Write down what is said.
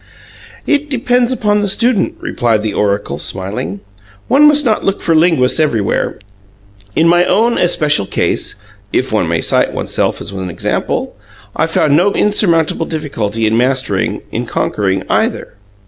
"It depends upon the student," replied the oracle smiling. "One must not look for linguists everywhere. In my own especial case if one may cite one's self as an example I found no great, no insurmountable difficulty in mastering, in conquering either."